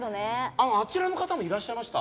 あのあちらの方もいらっしゃいました？